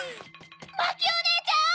マキおねえちゃん！